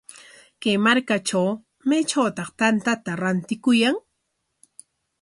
Kay markatraw, ¿maytrawtaq tantata rantikuyan?